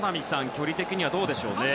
距離的にはどうでしょう。